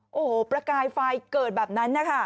โอ้โฮประกายไฟเกิดแบบนั้น